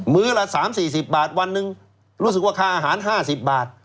ื้อละ๓๔๐บาทวันหนึ่งรู้สึกว่าค่าอาหาร๕๐บาท